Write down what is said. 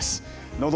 のど